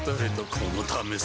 このためさ